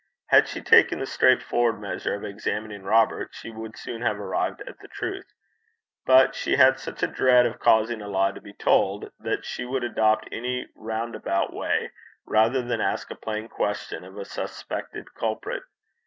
Had she taken the straightforward measure of examining Robert, she would soon have arrived at the truth. But she had such a dread of causing a lie to be told, that she would adopt any roundabout way rather than ask a plain question of a suspected culprit.